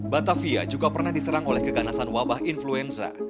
batavia juga pernah diserang oleh keganasan wabah influenza